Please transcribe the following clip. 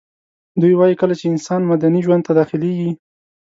دوی وايي کله چي انسان مدني ژوند ته داخليږي